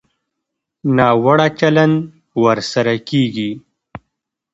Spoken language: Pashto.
ناوړه چلند ورسره کېږي.